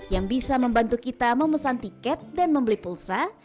yang bisa membantu kita memesan tiket dan membeli pulsa